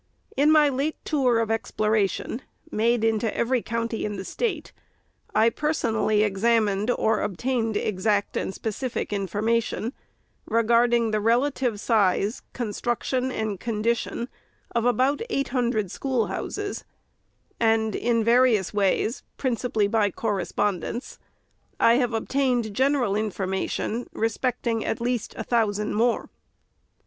In my late tour of exploration, made into every county in the State, I personally examined or obtained exact and specific information, regarding the relative size, construc tion, and condition of about eight hundred schoolhouses ; and, in various ways — principally by correspondence — I have obtained general information respecting, at least, a thousand more.